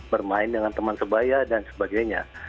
bermain dengan teman sebaya dan sebagainya